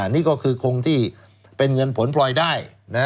นี่ก็คือคงที่เป็นเงินผลพลอยได้